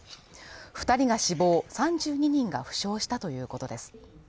２人が死亡、３２人が負傷したということです。